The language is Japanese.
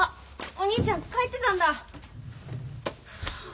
お兄ちゃん帰ってたんだ。